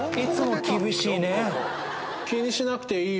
気にしなくていいよ。